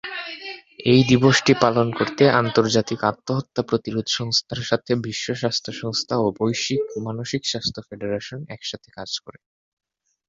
এই দিবসটি পালন করতে আন্তর্জাতিক আত্মহত্যা প্রতিরোধ সংস্থার সাথে বিশ্ব স্বাস্থ্য সংস্থা ও বৈশ্বিক মানসিক স্বাস্থ্য ফেডারেশন একসাথে কাজ করে।